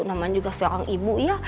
namanya juga seorang ibu ya